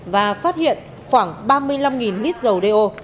và phát hiện khoảng ba mươi năm nít dầu do